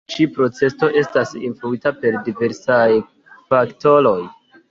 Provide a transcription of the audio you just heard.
Tiu ĉi procezo estas influita per diversaj faktoroj.